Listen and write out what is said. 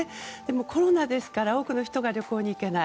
コロナですから多くの人が旅行に行けない。